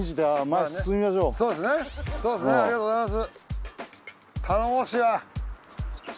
ありがとうございます。